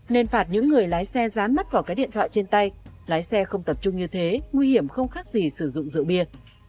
nên phạt những người lái xe dán mắt vào cái điện thoại trên tay lái xe không tập trung như thế nguy hiểm không khác gì sử dụng rượu bia